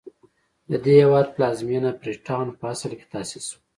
د دې هېواد پلازمېنه فري ټاون په اصل کې تاسیس شوه.